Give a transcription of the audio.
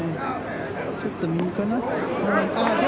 ちょっと右かな。